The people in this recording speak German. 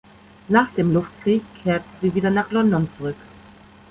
Nach dem Luftkrieg kehrte sie wieder nach London zurück.